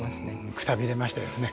くたびれましたですね。